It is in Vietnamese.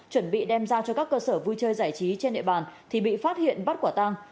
chuẩn bị đem ra cho các cơ sở vui chơi giải trí trên địa bàn thì bị phát hiện bắt quả tăng